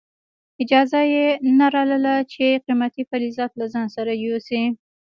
اجازه یې نه لرله چې قیمتي فلزات له ځان سره یوسي.